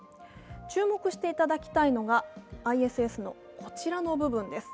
注目していただきたいのが、ＩＳＳのこちらの部分です。